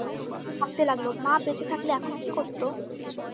তিন্নি ভাবতে লাগল, মা বেঁচে থাকলে এখন কী করত?